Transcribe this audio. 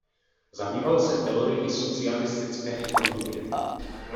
Zabýval se teorií socialistické ekonomie.